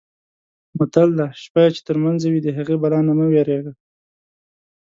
متل دی: شپه یې چې ترمنځه وي د هغې بلا نه مه وېرېږه.